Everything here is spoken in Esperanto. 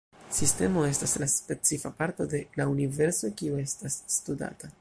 Sistemo estas la specifa parto de la universo kiu estas studata.